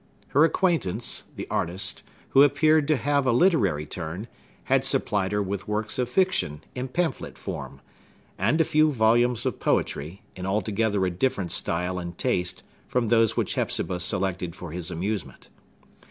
Her acquaintance, the artist, who appeared to have a literary turn, had supplied her with works of fiction, in pamphlet form,—and a few volumes of poetry, in altogether a different style and taste from those which Hepzibah selected for his amusement.